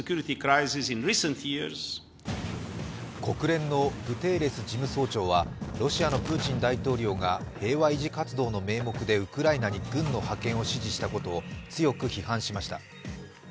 国連のグテーレス事務総長はロシアのプーチン大統領が平和維持活動の名目でウクライナに軍の派遣を指示したことを強く批判しました。